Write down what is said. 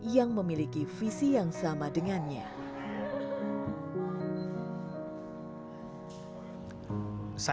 yang memiliki visi yang sama dengannya